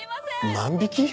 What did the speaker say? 万引き！？